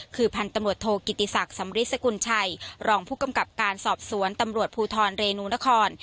คือพันธุ์ตำรวจโทกิติศักดิ์สำริสกุลชัยรองผู้กำกับการสอบสวนตำรวจภูทรเรนูนคร